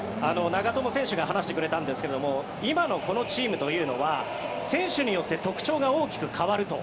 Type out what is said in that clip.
長友選手が話してくれたんですが今のこのチームというのは選手によって特徴が大きく変わると。